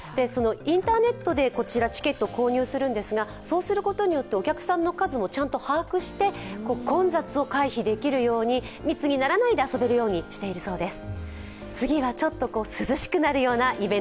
インターネットでチケットを購入するんですがそうすることによってお客さんの数もちゃんと把握して混雑を回避できるように、密にならないで遊べるようにしているんです。